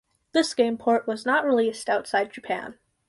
This game port was not released outside Japan.